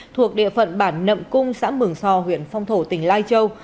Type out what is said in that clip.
thuộc địa phận bản nậm cung xã mường so huyện phong thổ tỉnh lai châu